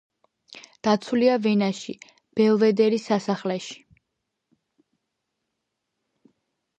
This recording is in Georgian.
დაცულია ვენაში, ბელვედერის სასახლეში.